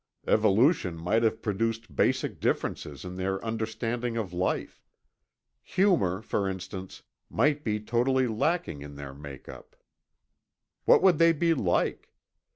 Evolution might have produced basic differences in their understanding of life. Humor, for instance, might be totally lacking in their make up. What would they be like?